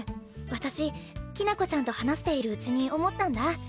私きな子ちゃんと話しているうちに思ったんだ。